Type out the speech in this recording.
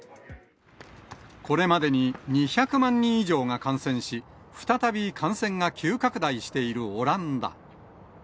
これまでに２００万人以上が感染し、再び感染が急拡大しているオランダ。